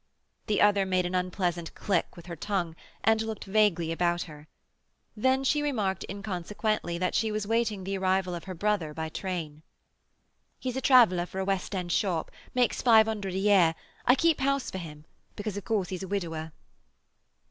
The other made an unpleasant click with her tongue, and looked vaguely about her. Then she remarked inconsequently that she was waiting the arrival of her brother by train. "He's a traveller for a West end shop; makes five hundred a year. I keep house for him, because of course he's a widower."